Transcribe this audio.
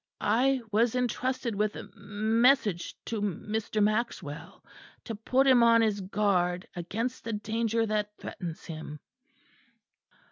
I was entrusted with a m message to Mr. Maxwell to put him on his guard against a danger that threatens him.